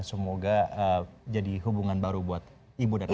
semoga jadi hubungan baru buat ibu dan anak